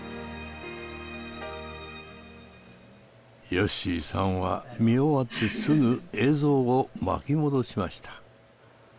よっしーさんは見終わってすぐ映像を巻き戻しました。